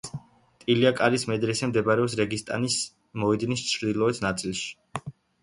ტილია-კარის მედრესე მდებარეობს რეგისტანის მოედნის ჩრდილოეთ ნაწილში.